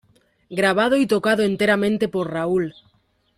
Grabado y tocado enteramente por Raúl.